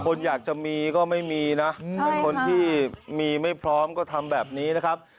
คนอยากจะมีก็ไม่มีนะเป็นคนที่มีไม่พร้อมก็ทำแบบนี้นะครับ